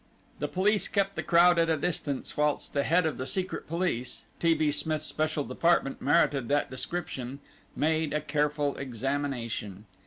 The police kept the crowd at a distance whilst the head of the secret police (T. B. Smith's special department merited that description) made a careful examination.